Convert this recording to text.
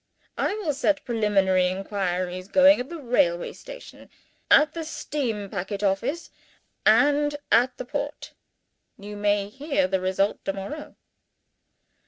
I will set preliminary inquiries going at the railway station, at the steam packet office, and at the port. You shall hear the result to morrow."